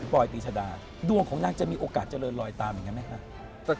ปลอยตีชดาดวงของนางจะมีโอกาสเจริญลอยตามอย่างนั้นไหมคะ